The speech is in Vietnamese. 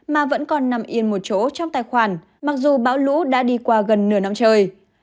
mà vẫn còn nằm yên một chỗ trong tài khoản mặc dù bão lũ đã đi qua gần nửa năm trời